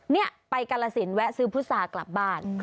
เนี่ยไปกาลสินแวะซื้อพุทธศาสตร์กลับบ้าน